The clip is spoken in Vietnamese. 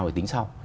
thì tính sau